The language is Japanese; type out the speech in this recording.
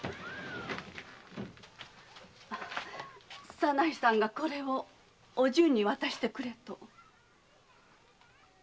左内さんがこれをお順に渡してくれと。